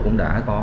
cũng đã có